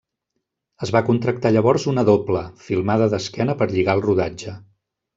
Es va contractar llavors una doble, filmada d'esquena per lligar el rodatge.